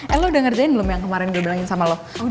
elo udah ngerjain belum yang kemarin gue bilangin sama lo